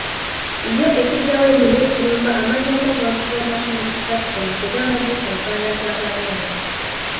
Yo e Kijjabwemi ne Kirumba amannya ga bawagizi ba National Unity Platform tegabadde ku nkalala z’abalonzi.